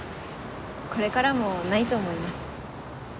これからもないと思います。